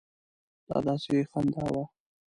دا داسې خندا وه.